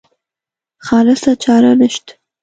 خالصه چاره نشته.